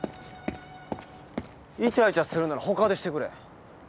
イチャイチャするなら他でしてくれ。